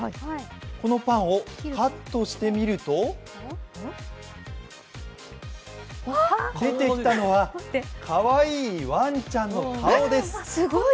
このパンをカットしてみると出てきたのはかわいいワンちゃんの顔です。